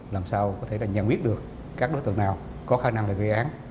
làm sao có thể là nhận biết được các đối tượng nào có khả năng là gây án